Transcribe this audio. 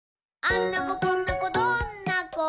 「あんな子こんな子どんな子？